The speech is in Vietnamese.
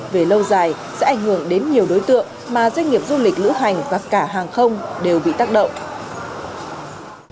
về lâu dài sẽ ảnh hưởng đến nhiều đối tượng mà doanh nghiệp du lịch lữ hành và cả hàng không đều bị tác động